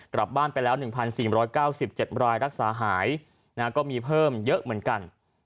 กลับบ้านไปแล้ว๑๔๙๗รายรักษาหายก็มีเพิ่มเยอะเหมือนกัน